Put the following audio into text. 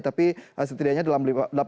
tapi setidaknya dalam delapan puluh sembilan